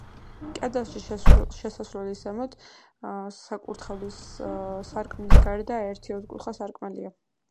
კედელში, შესასვლელის ზემოთ, საკურთხევლის სარკმლის გარდა, ერთი ოთხკუთხა სარკმელია.